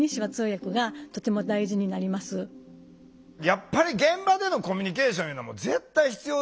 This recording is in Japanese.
やっぱり現場でのコミュニケーションいうのも絶対必要。